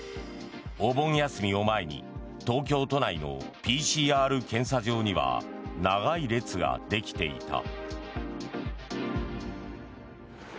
お盆休みを前に東京都内のＰＣＲ検査場には長い列ができていた。